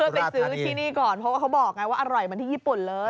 ไปซื้อที่นี่ก่อนเพราะว่าเขาบอกไงว่าอร่อยเหมือนที่ญี่ปุ่นเลย